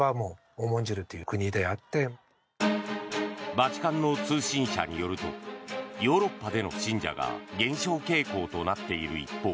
バチカンの通信社によるとヨーロッパでの信者が減少傾向となっている一方